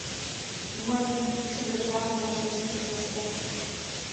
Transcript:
— Мый! — шыргыжалын вашештыш Костя.